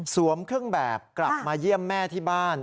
เครื่องแบบกลับมาเยี่ยมแม่ที่บ้าน